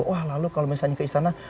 wah lalu kalau misalnya ke istana